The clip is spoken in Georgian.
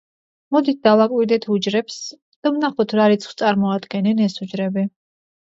მოდით დავაკვირდეთ უჯრებს და ვნახოთ რა რიცხვს წარმოადგენენ ეს უჯრები.